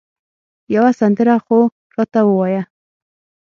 یوه سندره خو راته ووایه